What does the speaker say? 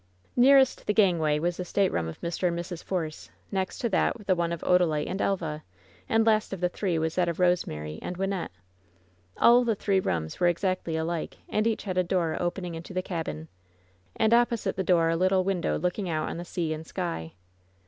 Nearest the gangway was the stateroom of Mr. and Mrs. Force; next to that the one of Odalite and Elva; and last of the three was that of Rosemary and Wyn nette. All the three rooms were exactly alike, and each had a door opening into the cabin, and opposite the door a little window looking out on the sea and sky.